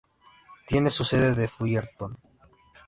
Tiene su sede en Fullerton.